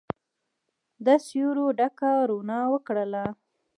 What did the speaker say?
د سیورو ډکه روڼا وکرله